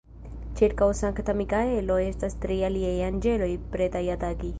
Ĉirkaŭ Sankta Mikaelo estas tri aliaj anĝeloj pretaj ataki.